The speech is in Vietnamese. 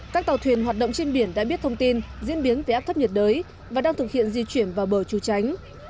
các tàu thuyền hoạt động trên biển đã biết thông tin diễn biến về áp thấp nhiệt đới và đang thực hiện di chuyển vào bờ trù tránh